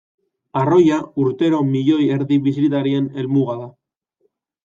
Arroila urtero milioi erdi bisitarien helmuga da.